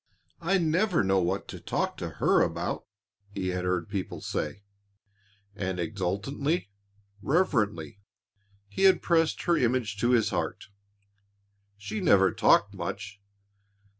I never know what to talk to her about," he had heard people say, and exultantly, reverently, he had pressed her image to his heart. She never talked much.